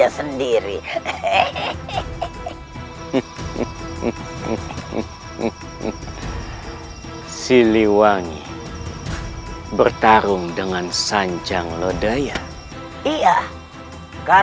aku seperti memelihara serigala berbulu domba